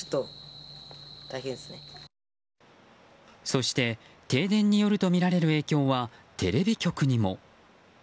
そして、停電によるとみられる影響はテレビ局にも。